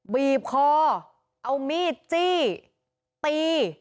บีบคอเอามีดจี้ตี